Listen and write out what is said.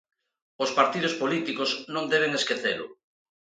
Os partidos políticos non deben esquecelo.